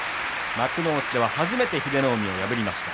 幕内では初めて英乃海を破りました。